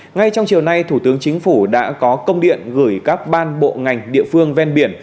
ngay trong chiều nay thủ tướng chính phủ đã có công điện gửi các ban bộ ngành địa phương ven biển